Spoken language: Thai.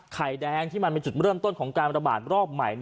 ไข่แดงที่มันเป็นจุดเริ่มต้นของการระบาดรอบใหม่